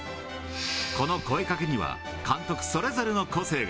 この声かけには、監督それぞれの個性が。